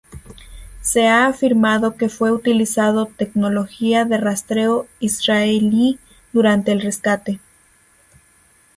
Se ha afirmado que fue utilizada tecnología de rastreo israelí durante el rescate.